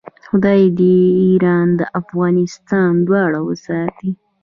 خدای دې ایران او افغانستان دواړه وساتي.